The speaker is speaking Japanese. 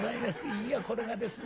いやこれがですね